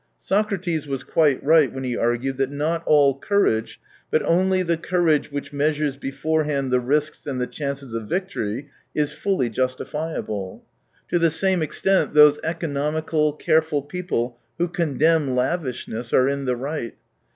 Socrates was quite right when he argued that not all courage, but only the courage which measures beforehand the risks and the chances of victory, is fully justifiable. To the same extent those economical, careful peo ple who condemn lavishness are in the right.